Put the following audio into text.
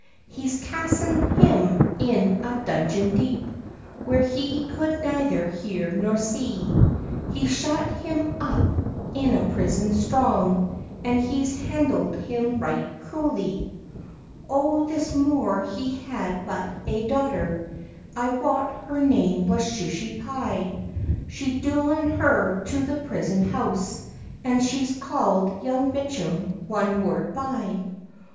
He's casten [him] in a dungeon deep, Where he coud neither hear nor see; He's shut him up in a prison strong, An he's handld him right cruely. O this Moor he had but ae daughter, I wot her name was Shusy Pye; She's doen her to the prison house, And she's calld young Bicham one word by.